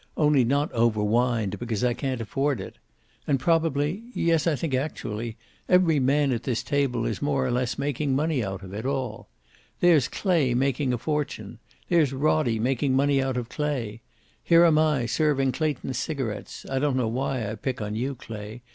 Only not over wined because I can't afford it. And probably yes, I think actually every man at this table is more or less making money out of it all. There's Clay making a fortune. There's Roddie, making money out of Clay. Here am I, serving Clayton's cigarets I don't know why I pick on you, Clay.